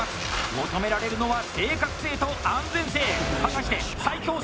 求められるのは正確性と安全性。